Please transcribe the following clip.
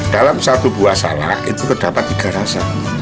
dalam satu buah salak itu terdapat tiga rasa